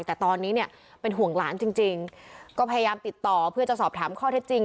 แต่ตอนนี้เนี่ยเป็นห่วงหลานจริงจริงก็พยายามติดต่อเพื่อจะสอบถามข้อเท็จจริง